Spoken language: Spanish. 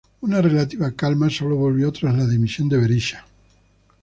Una relativa calma sólo volvió tras la dimisión de Berisha.